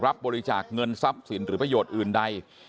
รับบริจาคเงินทรัพย์สินหรือประโยชน์อื่นใด